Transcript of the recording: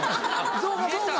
そうかそうか。